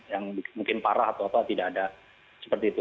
yang mungkin parah atau apa tidak ada seperti itu